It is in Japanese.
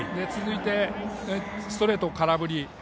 続いて、ストレートを空振り。